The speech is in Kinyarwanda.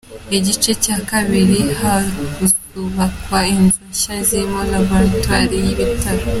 Igice cya kabiri hazubakwa inzu nshya zirimo Laboratwari y’ibitaro